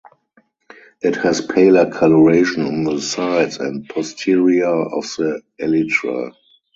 It has paler colouration on the sides and posterior of the elytra.